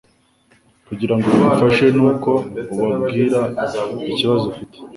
kugirango bagufashe nuko ubabwira ikibazo ufite